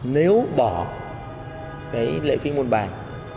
nếu bỏ lệ phí môn bài